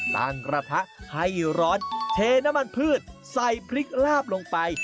กระทะให้ร้อนเทน้ำมันพืชใส่พริกลาบลงไป